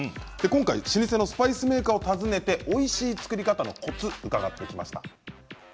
老舗のスパイスメーカーを訪ねて、おいしい作り方のコツを聞いてきました。